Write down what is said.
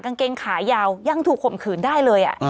กางเกงขายาวยังถูกข่มขืนได้เลย